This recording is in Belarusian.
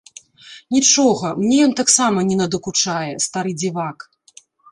Нічога, мне ён таксама не надакучае, стары дзівак.